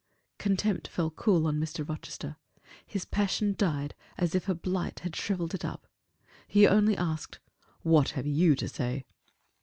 Contempt fell cool on Mr. Rochester his passion died as if a blight had shriveled it up; he only asked, "What have you to say?"